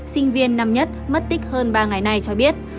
sinh viên năm nhất mất tích hơn ba ngày nay cho biết